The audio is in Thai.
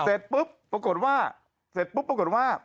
เสร็จปุ๊บปรากฏว่าเสร็จปุ๊บปรากฏว่า